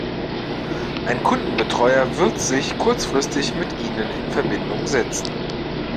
Ein Kundenbetreuer wird sich kurzfristig mit ihnen in Verbindung setzen.